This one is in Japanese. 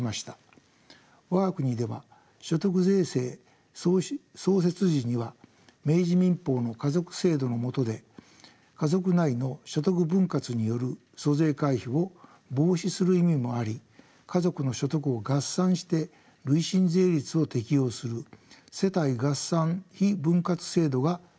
我が国では所得税制創設時には明治民法の家族制度の下で家族内の所得分割による租税回避を防止する意味もあり家族の所得を合算して累進税率を適用する世帯合算非分割制度がとられてきました。